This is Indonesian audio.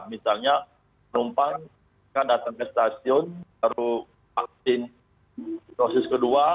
misalnya penumpang datang ke stasiun baru vaksin proses kedua